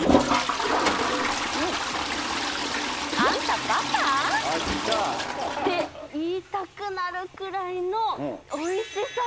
うん！って言いたくなるくらいのおいしさ！